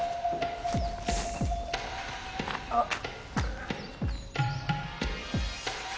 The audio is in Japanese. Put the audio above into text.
あっ。